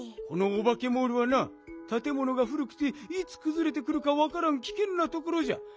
このオバケモールはなたてものがふるくていつくずれてくるかわからんきけんなところじゃ。